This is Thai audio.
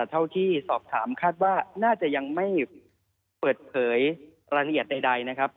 เท่าที่สอบถามคาดว่าน่าจะยังไม่เปิดเผยรายละเอียดใดนะครับ